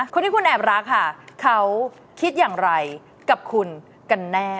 คนที่คุณแอบรักค่ะเขาคิดอย่างไรกับคุณกันแน่